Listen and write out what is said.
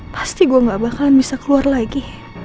pasti gue gak bakalan bisa keluar lagi